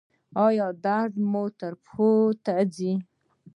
ایا درد مو پښو ته ځي؟